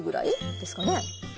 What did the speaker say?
ですかね